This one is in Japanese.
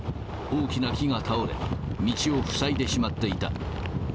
大きな木が倒れ、道を塞いでしまっていた。